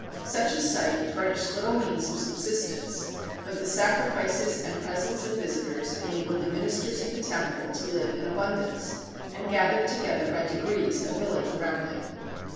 Such a site furnished little means of subsistence, but the sacrifices and presents of visitors enabled the ministers of the temple to live in abundance, and gathered together by degrees a village around it.